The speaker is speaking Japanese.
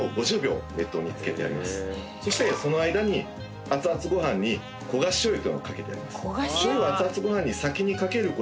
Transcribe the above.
そしてその間にあつあつご飯に焦がし醤油というのを掛けてやります。